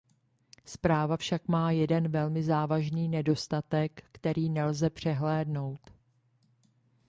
Zpráva však má jeden velmi závažný nedostatek, který nelze přehlédnout.